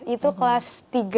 itu kelas tiga